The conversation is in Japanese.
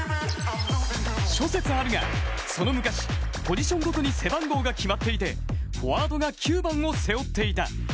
諸説あるが、その昔、ポジションごとに背番号が決まっていて、フォワードが９番を背負っていた。